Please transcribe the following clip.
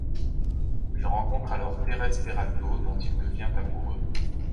Il rencontre alors Thérèse Peraldo dont il devient amoureux.